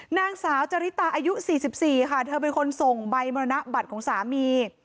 นางสาวจริตาอายุ๔๔ค่ะเธอเป็นคนส่งใบมรณบัตรของสามี